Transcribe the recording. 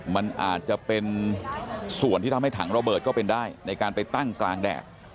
มันอาจจะเป็นส่วนที่ทำให้ถังระเบิดก็เป็นได้ในการไปตั้งกลางแดด